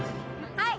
はい。